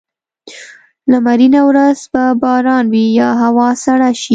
لمرینه ورځ به باران وي یا هوا سړه شي.